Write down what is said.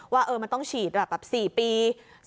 ว่ามันต้องฉีดแบบ๔ปี